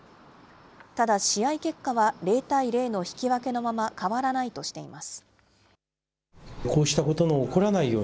ただ、試合結果は０対０の引き分けのまま、変わらないとしています。